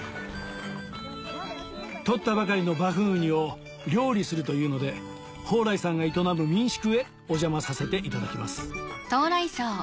とったばかりのバフンウニを料理するというので寳来さんが営む民宿へお邪魔させていただきます